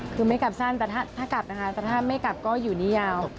คือไม่กลับสั้นแต่ถ้ากลับนะคะแต่ถ้าไม่กลับก็อยู่นี่ยาว